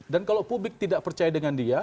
dan kalau publik tidak percaya dengan dia